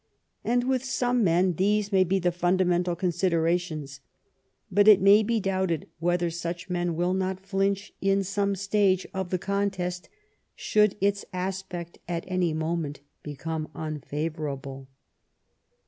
And with some men these may be the fundamental considerations, but it may be doubted whether such men will not flinch in some stage of the contest should its aspect at any moment become unfavorable."